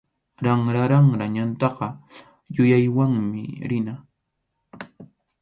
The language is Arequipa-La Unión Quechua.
Ranraranra ñantaqa yuyaywanmi rina.